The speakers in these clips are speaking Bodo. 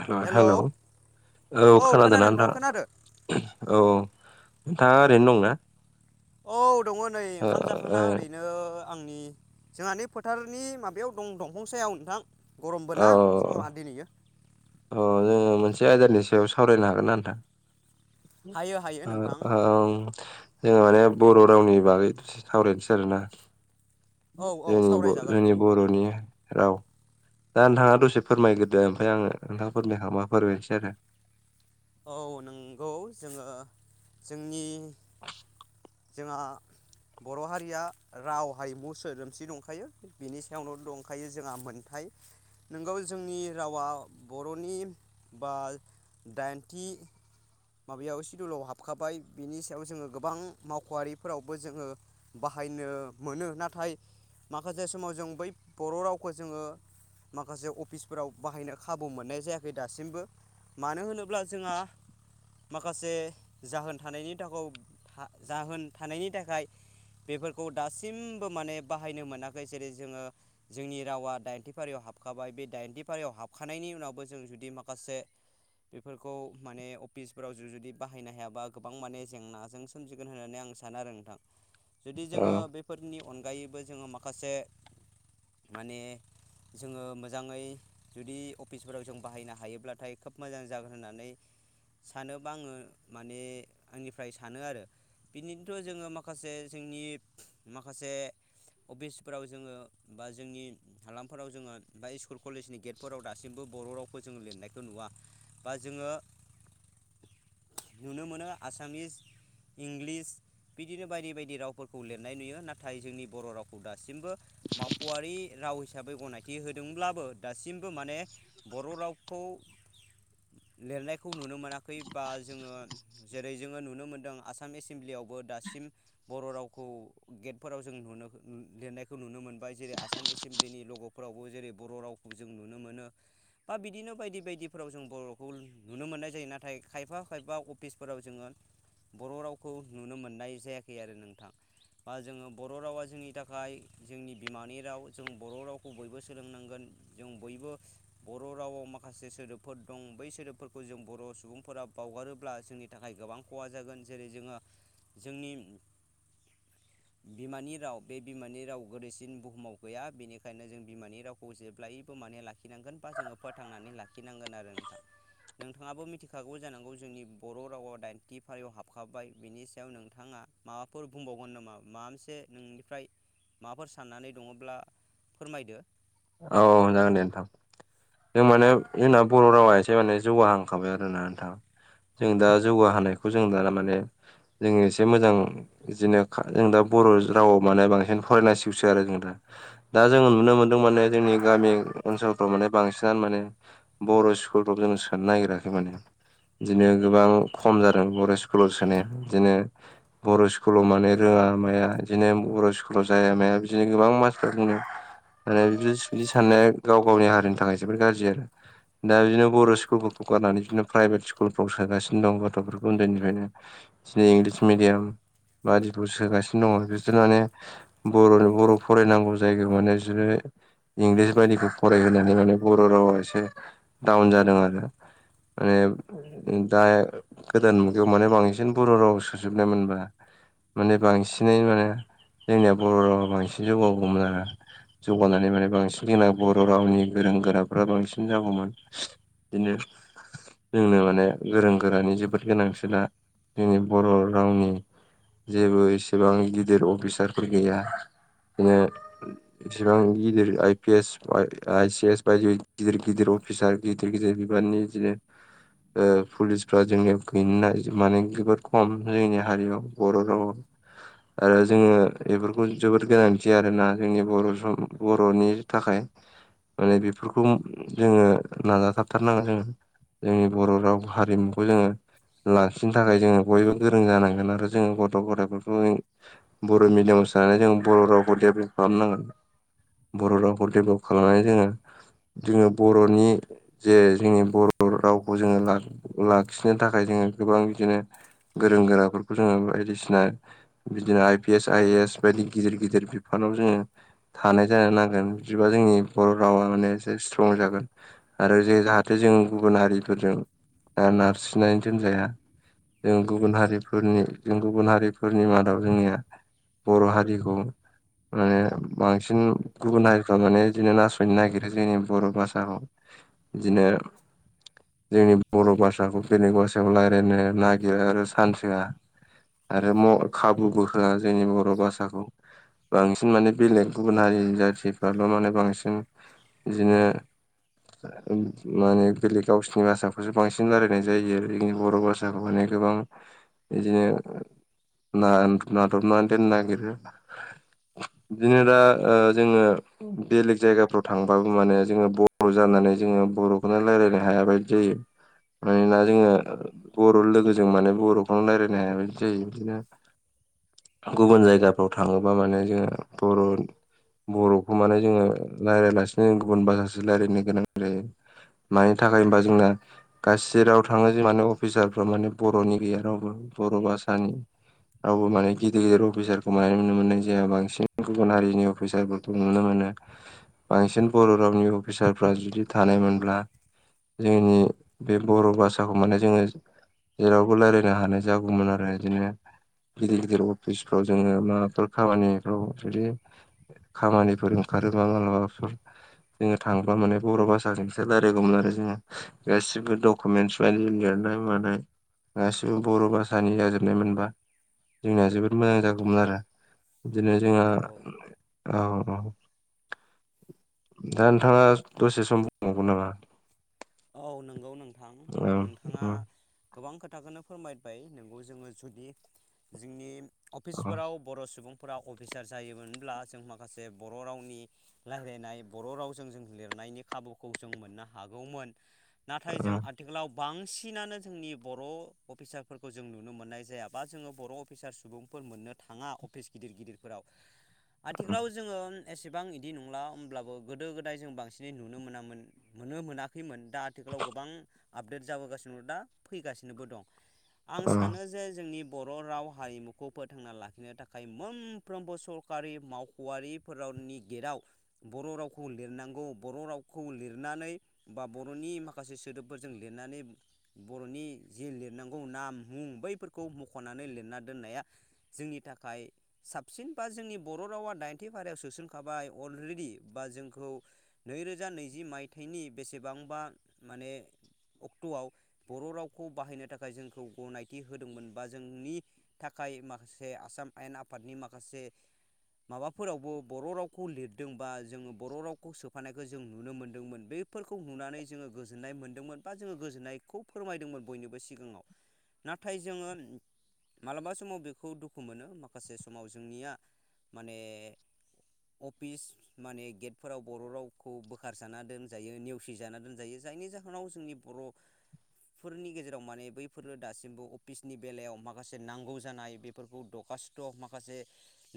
हेल' हेलौ हेल' औ औ खोनादोंना खोनादों नोंथां नोंथाङा? खोनादो औ, नोंथाङा ओरैनो दंना? औ दङ नै ओ ओंखाम ओ जाखांना ओरैनो आंनि जोंहानि फोथारनि माबायाव दं दंफांसायाव नोंथां गरमबो ना समा दिनैयो अ जोङो मोनसे आयदानि सायाव सावरायनो हागोन ना नोंथां हायो हायो नोंथां ओं जोङो माने बर' रावनि बागै सावरायनोसै आरोना औ औ सावरायजागोन जोंनि बर'नि ओउ दा नोंथाङा दसे फोरमायग्रोदो ओमफ्राय आङो नोंथांफोरनो हाबाफोर होनोसै आरो औ नंगौ जोङो जोंनि [inaudible] जोंहा बर' हारिया राव हारिमु सोदोमस्रि दंखायो बिनि सायावनो दंखायो जोंहा मोनथाम [inaudible] नोंगौ जोंनि रावा बर'नि बा दाइनथि माबायाव सिदुलाव हाबखाबाय बिनि सायाव जोङो गोबां मावख'आरिफोरावबो जोङो बाहाय- बाहायनो मोनो नाथाय माखासे समाव जों बै बर' रावखौ जोङो माखासे अफिसफोराव बाहायनो खाबु मोननाय जायाखै दासिमबो मानो होनोब्ला जोंहा माखासे जाहोन थानायनि थाखाय जाहोन थानायनि थाखाय बेफोरखौ दासिमबो माने बाहायनो मोनाखै जेरै जोङो जोंनि रावा दाइनथि फारियाव हाबखाबाय बे दाइनथि फारियाव हाबखानायनि उनावबो जों जुदि माखासे बेफोरखौ माने फिसफोराव जुदि बाहायनो हायाबा गोबां माने जेंनाजों सोमजिगोन होननानै आं सानो आरो नोंथां जुदि औ जोङो बेफोरनि अनगायैबो जोङो माखासे माने जोङो मोजाङै जुदि अफिसफोराव जों बाहायनो हायोब्लाथाय खोब मोजां जागोन होननानै सानोबा आङो माने आंनिफ्राय सानो आरो बिनिनोथ' जोङो माखासे जोंनि माखासे अफिसफोराव जोङो बा जोंनि हालामफोराव जोङो बा स्कुल कलेजनि गेटफोराव दासिमबो बर' रावखौ जोङो लिरनायखौ नुवा बा जोङो [inaudible] नुनो मोनो आसामिस इंलिस बिदिनो बायदि बायदि रावफोरखौ लिरनाय नुयो नाथाय जोंनि बर' रावखौ दासिमबो मावाख'वरि राव हिसाबै गनायथि होदोंब्लाबो दासिमबो माने बर' रावखौ लिरनायखौ नुनो मोनाखै [unintelligible] बा जोङो जेरै जोङो नुनो मोन्दों आसाम एसेमब्लियावबो दासिम बर' रावखौ गेटफोराव जों लिरनायखौ नुनो मोनबाय जेरै आसाम एसेमब्लिनि लग'फोरावबो जेरै बर बर' रावखौ जों नुनो मोनो बा बिदिनो बायदि बायदिफोराव जों बर'खौ नुनो मोननाय जायो। नाथाय नाथाय खायफा खायफा अफिसफोराव जोङो बर' रावखौ नुनो मोननाय जायाखै आरो नोंथां बा जोङो बर' रावा जोंनि थाखाय जोंनि बिमानि राव जों बर' रावखौ बयबो सोलोंनांगोन जों बयबो बर' रावआव माखासे सोदोबफोर दं बै सोदोबफोरखौ जों बर' सुबुंफोरा बावगारोब्ला जोंनि थाखाय गोबां खहा जागोन जेरै जोङो जोंनि [inaudible] बिमानि राव बे बिमानि राव गोदैसिन बुहुमाव गैया बेनिखायनो जों बिमानि रावखौ जेब्लायबो माने लाखिनांगोन बा जों फोथांनानै लाखिनांगोन आरो नोंथां नोंथाङाबो मि मिथिखागौ जानांगौ जोंनि बर' रावा दाइनथि फारियाव हाबखाबाय बेनि सायाव नोंथाङा माबाफोर बुंबाव [unintelligible] नामा माबा मोनसे नोंनिफ्राय माबाफोर साननानै दङब्ला फोरमायदो औ औ जागोन दे नोंथां जों माने जोंना बर' रावा एसे माने जौगाहांखाबाय आरोना नोंथां जों दा जौगाहानायखौ जों दा माने जों एसे मोजां इदिनो जों दा बर' रावाव माने बांसिन फराय नांसिगौसो आरोना जों दा दा जोंङो नुनो मोन्दों माने जोंनि गामि ओनसोलफ्राव माने बांसिनानो माने बर' स्कुलफ्राव जों सोनो नागिराखै माने बिदिनो गोबां खम जादों बर' स्कुलाव सोनाया बिदिनो बर' स्कुलाव माने रों ङा माया बिदिनो बर' स्कुलाव जाया माया बिदिनो गोबां मानसिफोरा बुङो आरो बि दि साननाया गाव गावनि हारिनि थाखाय जोबोर गाज्रि आरो दा बिदिनो बर' स्कुलफोरखौ गारनानै बिदिनो प्राइभेट स्कुलफ्राव सोगासिनो दं गथ'फोरखौ उन्दैनिफ्रायनो दिनै इंलिस मिडियाम बादिखौ सोगासिनो दङ बिसोर माने बर'नो बर' फरायनांगौ जायगायाव माने बिदिनो इंलिस बायदिखौ फरायहोनानै माने बर' रावा एसे डाउन जादों आरो माने दा गोदान मुगायाव माने बांसिन बर' रावाव सोजोबनायमोनबा माने बांसिनै माने जोंनिया बर' रावा बांसिन जौगागौमोन आरो जौगानानै माने बां- सिन बर' रावनि गोरों गोराफ्रा बांसिन जागौमोन बिदिनो जोंनो माने गोरों गोरानि जोबोद गोनांसोदा जोंनि बर' रावनि जेबो इसेबां गिदिर अफिसारफोर गैया बिदिनो बिसेबां गिलिर I P S I C S बायदि बायदि गिदिर गिदिर अफिसार गिदिर गिदिर बिबाननि बिदिनो ओ पुलिसफ्रा जोंनियाव गैनाय माने जोबोद खम जोंनि हारियाव बर' रावआव आरो जोङो बेफोरखौ जोबोद गोनांथि आरोना जोंनि बर' सम बर'नि थाखाय माने बेफोरखौ जोङो नाजाथाबथारनांगोन जोङो जोंनि बर' राव हारिमुखौ जोङो लाखिनो थाखाय जोङो बयबो गोरों जानांगोन आरो जोङो गथ' गथायफोरखौ बर' मिडियामाव सोनानै जों बर' रावखौ डेभेलप खालामनांगोन बर' रावखौ डेभेलप खालामनानै जोङो जोङो बर'नि जे जोंनि बर' रावखौ जोङो लाखिनो थाखाय जोङो गोबां बिदिनो गोरों गोराफोरखौ जोङो बायदिसिना बिदिनो I P S, I A S बायदि गिदिर गिदिर बिफानाव जोङो थानाय जानो नांगोन बिदिबा जोंनि बर' रावा माने एसे स्ट्रं जागोन आरो जे जाहाथे जों गुबुन हारिफोरजों दा नारसिन्नानै दोनजाया जों गुबुन हारिफोरनि जों गुबुन हारिफोरनि मादाव जोंनिया बर' हारिखौ माने बांसिन गुबुन हारि फ्रा माने बिदिनो नासयनो नागिरो जोंनि बर' भाषाखौ बिदिनो जोंनि बर' भाषाखौ बेलेग भासायाव रायलायनो नागिरो आरो सान्स होआ आरो खाबुबो होआ जोंनि बर' भाषाखौ बांसिन माने बेलेग गुबुन हारिनि जाथि फ्राल' माने बांसिन इदिनो माने बेलेग गावसिनि भाषाखौसो बांसिन रायलायनाय जायो जोंनि बर' भाषाखौ माने गोबां इदिनो ना-नादबनानै दोन्नो नागिरो बिदिनो दा ओ जोङो बेलेग जायगाफ्राव थांबाबो माने जोङो बर' जानानै जोङो बर'खौनो रायलायनो हाया बायदि जायो। मानोना जोङो बर' लोगोजों माने बर'खौनो रायलायनो हाया बायदि जायो बिदिनो गुबुन जायगाफ्राव थाङोबा माने जोङो बर' बर' खौ माने जोङो रायलायालासिनो गुबुन भाषासो रायलायनो गोनां जायो। मानि थाखाय होनबा जोंना गासै राव थाङो जों माने अफिसारफ्रा माने बर'नि गैया रावबो बर' भाषानि रावबो माने गिदिर अफिसारखौ माने नुनो मोननाय जाया बांसिन गुबुन हारिनि अफिसारफोर नुनो मोनो बांसिन बर' रावनि अफिसारफ्रा जुदि थानायमोनब्ला जोंनि बे बर' भाषाखौ माने जोङो जेरावबो रायलायनो हानाय जागौमोन आरो बिदिनो गिदिर गिदिर अफिसफ्राव जोङो माबाफोर खामानिफ्राव जुदि खामानिफोर ओंखारो मालाबा मालाबाफोर जोङो थांब्ला माने बर' भाषाजोंसो रायलायगौमोन आरो जोङो गासिबो डकुमेन्टस लिरनाय मानाय गासिबो बर' भाषानि जाजोबनाय मोनबा जोंनिया जोबोद मोजां जागौमोन आरो बिदिनो जोंहा नोंगौ औ औ दा नोंथाङा दसे सम बुंबावगोन नामा? औ नंगौ नोंथां औ नोंथाङा गोबां खो थाखोनो फोरमायबाय नोंगौ जोङो जुदि जोंनि औ अफिसफोराव बर' सुबुं फोरा अफिसार जायोमोनब्ला जों माखासे बर' रावनि लायरायनाय बर' रावजों जों लिरना नायनि खाबुखौ जों मोननो हागौमोन। नाथाय जों आथिख्लाव बांसिनानो जोंनि बर' अफिसारफोरखौ जों नुनो मोन्नाय जाया बा जोङो बर' अफिसारस सुबुंफो फोर मोननो थाङा अफिस गिदिर गिदिरफोराव औ आथिख्लाव जोङो एसेबां इदि नंला होमब्लाबो गोदो गोदाय जों बांसिनै नुनो मोनामोन नुनो मोनाखैमोन। दा आथिखालाव गोबां आपडेट जाबोगासिन' दा फैगासिनोबो दं। आं औ सानो जे जोंनि बर' राव हारिमुखौ फोथांना लाखिनो थाखाय मोनफ्रोमबो सरखारि मावख'आरिफोराव नि गेटआव बर' रावखौ लिरनांगौ बर' रावखौ लिरनानै बा बर'नि माखासे सोदोबफोरजों लिरनानै बर'नि जे लिरनांगौ नाम मुं बैफोरखौ मख'नानै लिरना दोननाया जोंनि थाखाय साबसिन बा जोंनि बर' रावा दाइनथि फारियाव सोसनखाबाय अलरेडि बा जोंखौ नैरोजा नैजि मायथाइनि बेसेबांबा माने अक्ट'आव बर' रावखौ बाहायनो थाखाय जोंखौ गनायथि होदोंमोन बा जोंनि था खाय मासे आसाम आयेन आफादनि माखासे माबाफोरावबो बर' रावखौ लिरदोंबा जोङो बर' रावखौ सोफानायखौ जों नुनो मोनदोंमोन। बे फोरखौ नुनानै जोङो गोजोननाय मोन्दोंमोन बा जोङो गोजोननायखौ फोरमायदोंमोन बयनिबो सिगाङाव नाथाय जोङो मालाबा समाव बेखौ दुखु मोनो माखासे समाव जोंनिया माने अफिस माने गेटफोराव बर' रावखौ बोखारजाना दोन जायो नेवसि जाना दोनजायो जायनि जाहोनाव जोंनि बर' फोरनि गेजेराव माने बैफोरो दासिमबो अफिसनि बेलायाव माखासे नांगौ जानाय बेफोरखौ दख कासथ' माखासे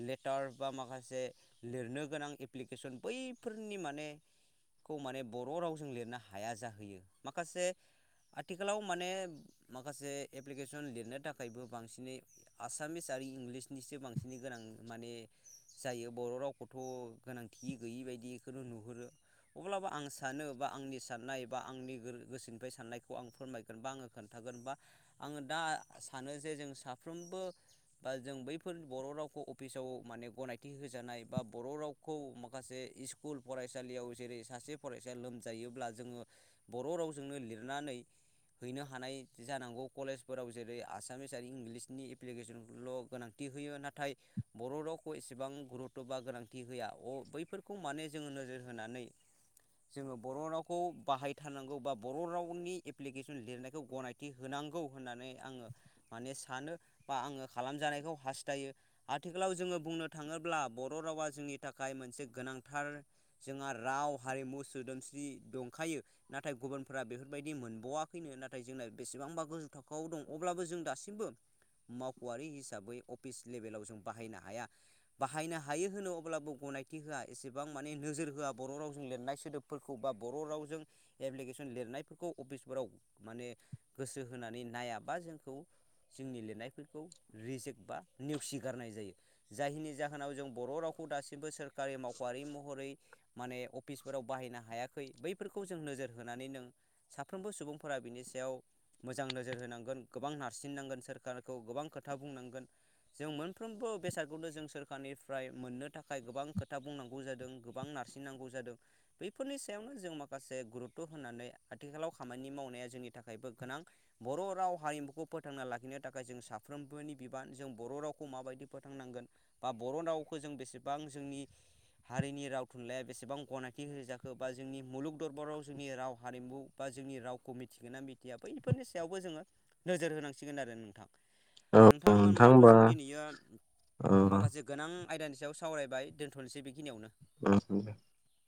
लेटार बा माखासे लिरनो गोनां एप्लिकेसन बैफोर नि माने [inaudible] खौ माने बर' रावजों लिरनो हाया जाहोयो माखासे आथिखालाव माने माखासे एप्लिकेसन लिरनो थाखायबो बांसिनै आसामिस आ इंलिसनिसो बांसिनै गोनां माने जायो बर' रावखौथ' गोनांथि गैयै बाय दिखौनो नुहुरो। अब्लाबो आं सानो बा आंनि साननाय बा आंनि गोर गोसोनिफाय साननायखौ आं फोरमायगोन बा आङो खोन्थागोन। बा आङो दा सानो जे जों साफ्रोमबो बा जों बैफोर बर' रावखौ अ फिसाव माने गनायथि होजानाय बा बर' रावखौ माखासे इस्कुल फरायसालियाव जेरै सासे फरायसाया लोमजायोब्ला जोङो बर' रावजोंनो लिरनानै हैनो हानाय जानांगौ कलेजफोराव जेरै आसामिस आरो इंलिसनि एप्लिकेसनल' गोनांथि होयो नाथाय बर' रावखौ एसेबां गुरुथ' बा गोनांथि हैया अ बैफोरखौ माने जोङो नो जोर होनानै [inaudible] जोङो बर' रावखौ बाहायथारनांगौ बा बर' रावनि एप्लिकेसन लिरनायखौ गनायथि होनांगौ होननानै आङो माने सानो बा आङो खालामजानायखौ हास्थायो आथिखालाव जोङो बुंनो थाङोब्ला बर' रावा जोंनि थाखाय मोनसे गोनांथार जोंहा राव हारिमु सोदोमस्रि दंखायो नाथाय गुबुनफोरा बेफोरबायदि मोनबावाखैनो नाथाय जोंना बेसे बांबा गोजौ थाखोआव दं अब्लाबो जों दासिमबो मावख'आरि हिसाबै अफिस लेभेलाव जों बाहायनो हाया। बाहायनो हायो होनो अब्लाबो ग नायथि होआ एसेबां माने नोजोर होआ बर' राव जों लिरनाय सोदोबफोरखौ बा बर' रावजों एब्लिकेसन लिरनायफोरखौ अफिसफोराव माने गोसो होनानै नायाबा जोंखौ जोंनि लिरनायफोरखौ रिजेक बा नेवसिगारनाय जायो जायनि जाहोनाव जों बर' राव खौ दासिमबो सोरखारि मावख'आरि महरै माने अ अफिसफोराव बाहायनो हायाखै। बैफोरखौ जों नोजोर होनानै नों साफ्रोमबो सुबुंफोरा बिनि सायाव मोजां नोजोर होनांगोन गोबां नारसिननांगोन सोरखारखौ गोबां खोथा बुंनांगोन। जों मोनफ्रोमबो बेसादखौनो जों सोरखारनिफ्राय मोननो थाखाय गोबां खोथा बुंनांगौ जादों गोबां नारसिननांगौ जादों। बेफोरनि सायावनो जों माखासे गुरुत्त' होननानै आथिखालाव खामानि मावनाया जोंनि थाखायबो गोनां बर' राव हारिमुखौ फोथांना लाखिनो थाखाय जों साफ्रोमबोनि बिबान जों बर' रावखौ माबायदि फोथांनांगोन बा बर' रावखौ जों बेसेबां जोंनि हारिनि राव थुनलाइया बेसेबां गनाय मि होजाखो बा जोंनि मुलुग दरबाराव जोंनि राव हारिमु बा जोंनि रावखौ मिथिगोन ना मिथिया बैफोर नि सायावबो जोङो नोजोर होनांसिगोन आरो नोंथां। औ नोंथां होनब्लाथ' होमबा जों दिनैयो औ माखासे गोनां आयदानि सायाव सावरायबाय दोनथ'नोसै बेखिनियावनो। [unintelligible]